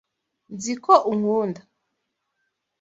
Nzi ko unkunda.